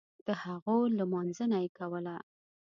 دهغو لمانځنه یې کوله.